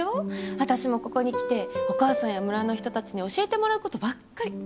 私もここに来てお母さんや村の人たちに教えてもらうことばっかり。